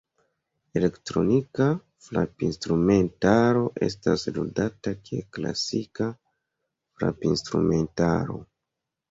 Elektronika frapinstrumentaro estas ludata kiel klasika frapinstrumentaro.